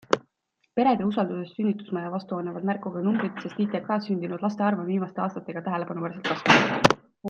Perede usaldusest sünnitusmaja vastu annavad märku ka numbrid, sest ITKs sündinud laste arv on viimaste aastatega tähelepanuväärselt kasvanud.